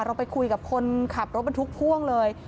เราไปคุยกับคนขับรถบรรทุกพ่วงเลย